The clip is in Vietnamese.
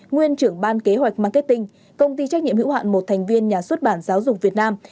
nguyên trưởng ban kế hoạch marketing công ty trách nhiệm hữu hạn một thành viên nhà xuất bản giáo dục việt nam